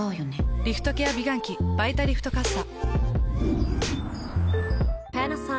リフトケア美顔器「バイタリフトかっさ」。